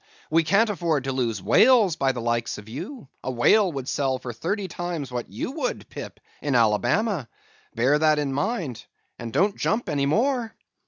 We can't afford to lose whales by the likes of you; a whale would sell for thirty times what you would, Pip, in Alabama. Bear that in mind, and don't jump any more."